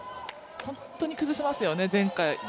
本当に崩しますよね、前回。